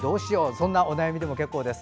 そんなお悩みでも結構です。